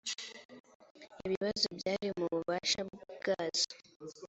ibibazo byari mu bubasha bwazo